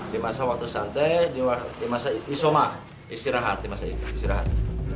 di masa waktu santai di isomah istirahat